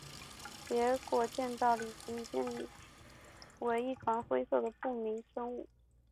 结果见到李奇已经变为一团灰色的不明生物。